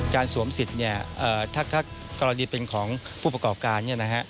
การสวมสิทธิ์ถ้ากรณีเป็นของผู้ประกอบการ